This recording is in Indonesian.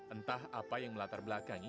entah apa yang melatar belakangi